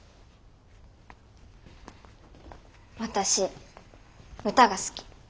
私歌が好き。